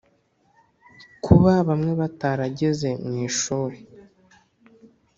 kuba bamwe batarageze mu ishuri,